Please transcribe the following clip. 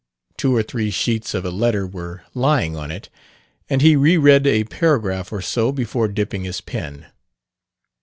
Two or three sheets of a letter were lying on it, and he re read a paragraph or so before dipping his pen.